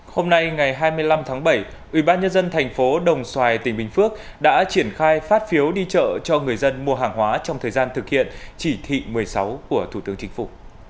hôm nay ngày hai mươi năm tháng bảy ubnd tp đồng xoài tỉnh bình phước đã triển khai phát phiếu đi chợ cho người dân mua hàng hóa trong thời gian thực hiện chỉ thị một mươi sáu của thủ tướng chính phủ